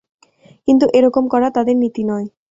কিন্তু এ রকম করা তাদের নীতি নয়।